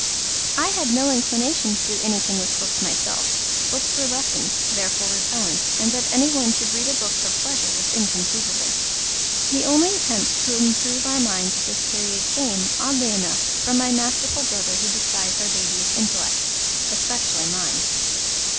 I had no inclination to do anything with books myself: books were lessons, therefore repellent, and that any one should read a book for pleasure was inconceivable. The only attempt to improve our minds at this period came, oddly enough, from my masterful brother who despised our babyish intellects especially mine.